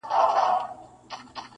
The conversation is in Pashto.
که مو بېل کړمه بیا نه یمه دوستانو-